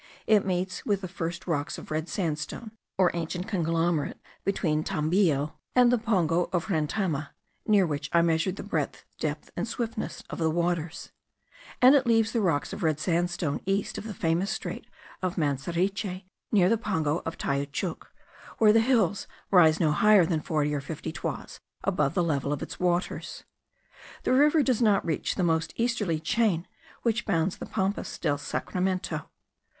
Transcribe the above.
It meets with the first rocks of red sandstone, or ancient conglomerate, between Tambillo and the Pongo of Rentema (near which I measured the breadth, depth, and swiftness of the waters), and it leaves the rocks of red sandstone east of the famous strait of Manseriche, near the Pongo of Tayuchuc, where the hills rise no higher than forty or fifty toises above the level of its waters. The river does not reach the most easterly chain, which bounds the Pampas del Sacramento.